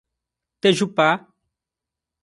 Tejupá